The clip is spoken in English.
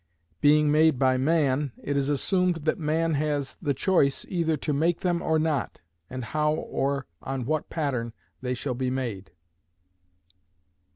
Being made by man, it is assumed that man has the choice either to make them or not, and how or on what pattern they shall be made.